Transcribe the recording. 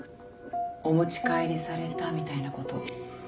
「お持ち帰りされた」みたいなこと。